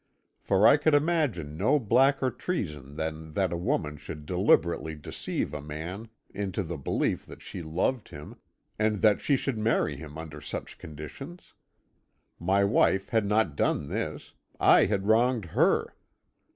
For I could imagine no blacker treason than that a woman should deliberately deceive a man into the belief that she loved him, and that she should marry him under such conditions. My wife had not done this; I had wronged her.